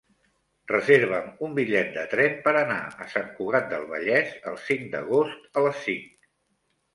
Reserva'm un bitllet de tren per anar a Sant Cugat del Vallès el cinc d'agost a les cinc.